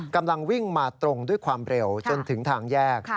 กำลังวิ่งมาตรงด้วยความเร็วจนถึงทางแยก